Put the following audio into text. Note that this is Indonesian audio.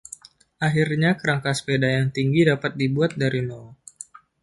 Akhirnya, kerangka sepeda yang tinggi dapat dibuat dari nol.